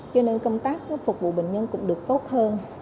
cho nên công tác phục vụ bệnh nhân cũng được tốt hơn